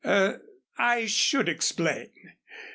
"Er I should explain.